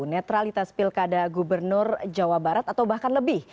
netralitas pilkada gubernur jawa barat atau bahkan lebih